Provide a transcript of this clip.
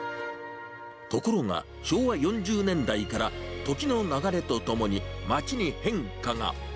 ところが、昭和４０年代から時の流れとともに街に変化が。